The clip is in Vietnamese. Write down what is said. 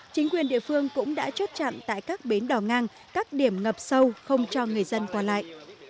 chính quyền địa phương cũng đã chốt chặn tại các bến đỏ ngang các điểm ngập sâu không cho người dân qua lại